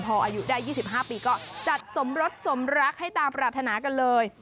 พออายุได้๒๕ปีก็จัดสมรสสมรักให้ตามปรารถนากันเลย